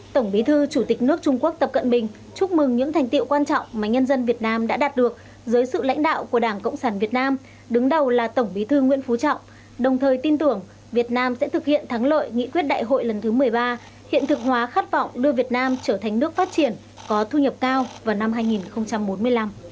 tổng bí thư chủ tịch nước trung quốc tập cận bình chúc mừng những thành tiệu quan trọng mà nhân dân việt nam đã đạt được dưới sự lãnh đạo của đảng cộng sản việt nam đứng đầu là tổng bí thư nguyễn phú trọng đồng thời tin tưởng việt nam sẽ thực hiện thắng lợi nghị quyết đại hội lần thứ một mươi ba hiện thực hóa khát vọng đưa việt nam trở thành nước phát triển có thu nhập cao vào năm hai nghìn bốn mươi năm